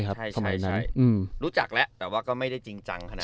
ใช่รู้จักแล้วแต่ว่าก็ไม่ได้จริงจังขนาด